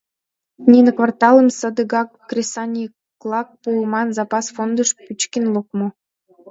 Нине кварталым садыгак кресаньыклан пуыман, запас фондыш пӱчкын лукмо.